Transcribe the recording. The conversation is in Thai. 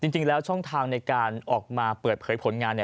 จริงแล้วช่องทางในการออกมาเปิดเผยผลงาน